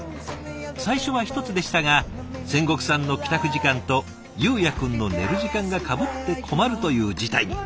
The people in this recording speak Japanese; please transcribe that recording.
最初は１つでしたが仙石さんの帰宅時間と悠也くんの寝る時間がかぶって困るという事態に。